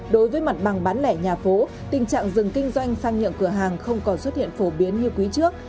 đối với mặt bằng bán lẻ nhà phố tình trạng dừng kinh doanh sang nhượng cửa hàng không còn xuất hiện phổ biến như quý trước